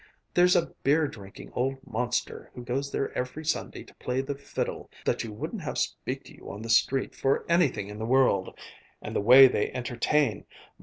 There's a beer drinking old monster who goes there every Sunday to play the fiddle that you wouldn't have speak to you on the street for anything in the world. And the way they entertain!